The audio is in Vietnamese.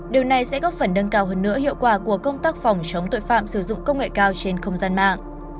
điều này sẽ góp phần nâng cao hơn nữa hiệu quả của công tác phòng chống tội phạm sử dụng công nghệ cao trên không gian mạng